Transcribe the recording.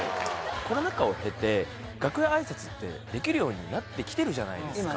コロナ禍を経て楽屋挨拶ってできるようになってきてるじゃないですか。